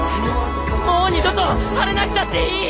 もう二度と晴れなくたっていい！